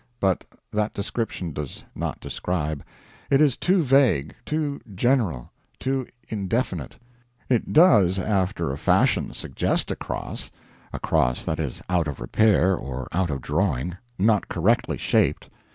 But that description does not describe; it is too vague, too general, too indefinite. It does after a fashion suggest a cross a cross that is out of repair or out of drawing; not correctly shaped.